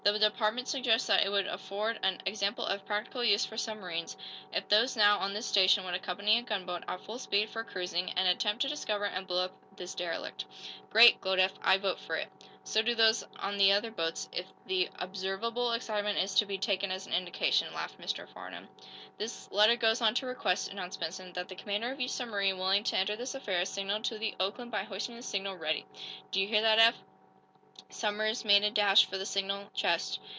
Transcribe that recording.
The Department suggests that it would afford an example of practical use for submarines, if those now on this station would accompany a gunboat, at full speed for cruising, and attempt to discover and blow up this derelict.'"_ "Great!" glowed Eph. "I vote for it." "So do those on the other boats, if the observable excitement is to be taken as an indication," laughed Mr. Farnum. "This letter goes on to request," announced Benson, "that the commander of each submarine willing to enter this affair signal to the 'Oakland' by hoisting the signal 'Ready.' Do you hear that, Eph?" Somers made a dash for the signal chest.